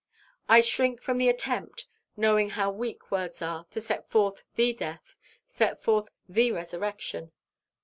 I shrink from the attempt, knowing how weak words are to set forth the death, set forth the resurrection.